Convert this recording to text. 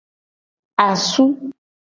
Asu.